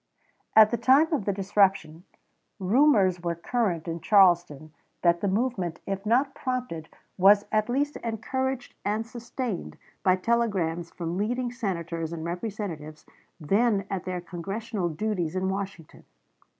At the time of the disruption, rumors were current in Charleston that the movement, if not prompted, was at least encouraged and sustained by telegrams from leading Senators and Representatives then at their Congressional duties in Washington.